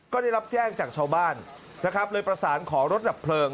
ก็ได้รับแจ้งจากชาวบ้านนะครับเลยประสานขอรถดับเพลิง